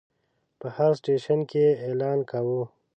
په هر سټیشن کې یې اعلان کاوه.